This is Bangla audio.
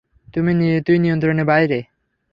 তুই নিয়ন্ত্রণের বাইরে।